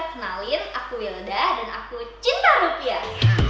kenalin aku wilda dan aku cinta rupiah